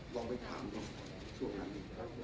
ลองไปถามกันช่วงงานนี้